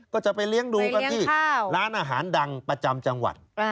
ก็จะไปเลี้ยงดูกันที่ร้านอาหารดังประจำจังหวัด